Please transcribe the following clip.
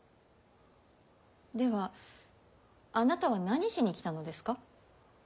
ではあなたは何しに来たのですか？